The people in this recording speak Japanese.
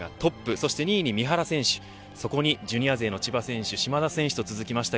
そして２位に三原選手、そこにジュニア勢の千葉選手島田選手と続きました。